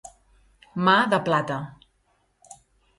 Mà de plata.